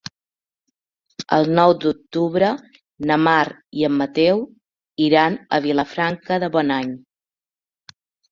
El nou d'octubre na Mar i en Mateu iran a Vilafranca de Bonany.